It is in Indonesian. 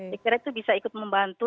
saya kira itu bisa ikut membantu